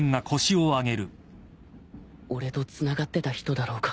俺とつながってた人だろうか？